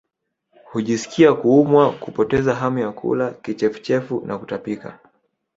Hujisikia kuumwa kupoteza hamu ya kula kichefuchefu na kutapika